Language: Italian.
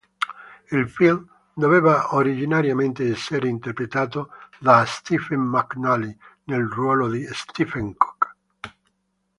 Il film doveva originariamente essere interpretato da Stephen McNally nel ruolo di Stephen Cook.